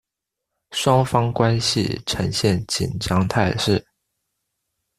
双方关系呈现紧张态势。